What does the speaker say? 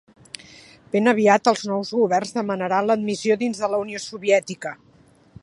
Ben aviat, els nous governs demanaren l'admissió dins de la Unió Soviètica.